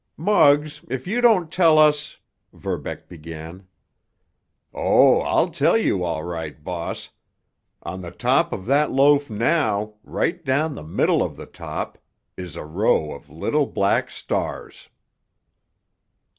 "Muggs, if you don't tell us——" Verbeck began. "Oh, I'll tell you, all right, boss. On the top of that loaf now, right down the middle of the top, is a row of little black stars."